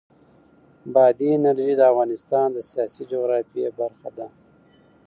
بادي انرژي د افغانستان د سیاسي جغرافیه برخه ده.